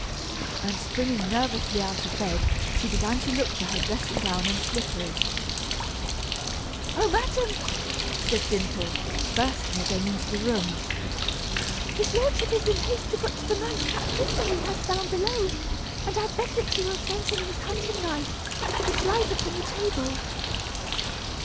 And springing nervously out of bed, she began to look for her dressing gown and slippers. "Oh, madam," said Dimple, bursting again into the room. "His lordship is in haste to butcher the nice fat prisoner he has found below, and I beg that you will send him his hunting knife, which lies upon the table."